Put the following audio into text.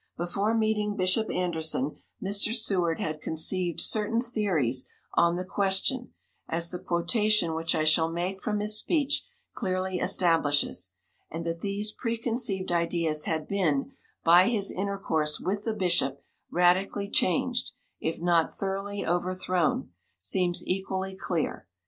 Before meeting Bishop Anderson, Mr. Seward had conceived certain theories on the question, as the quotation which I shall make from his speech clearly establishes, and that these preconceived ideas had been, by his intercourse with the bishop, radically changed, if not thoroughly overthrown, seems equally clear.